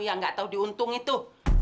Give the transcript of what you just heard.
yang nggak tahu diuntung itu